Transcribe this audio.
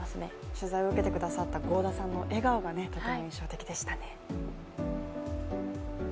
取材を受けてくださった合田さんの笑顔が印象的でしたね。